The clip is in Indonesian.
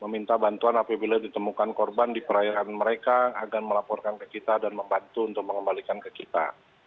meminta bantuan apabila ditemukan korban di perairan mereka agar melaporkan ke kita dan membantu untuk mengembalikan ke kita